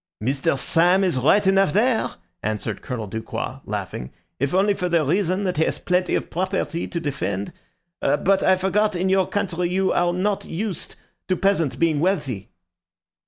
"Mr. Syme is right enough there," answered Colonel Ducroix, laughing, "if only for the reason that he has plenty of property to defend. But I forgot that in your country you are not used to peasants being wealthy."